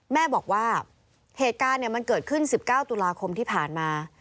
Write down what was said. แม่บอกว่าเหตุการณ์มันเกิดขึ้น๑๙ตุลาคมที่ผ่านมา